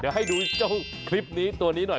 เดี๋ยวให้ดูเจ้าคลิปนี้ตัวนี้หน่อย